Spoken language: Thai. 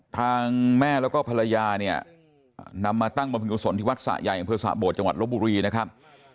ทางแม่แล้วก็ภรรยานำมาตั้งบริกษลที่วัฒน์สระใหญ่อย่างเพื่อสระโบดจังหวัดลบุรีนะครับ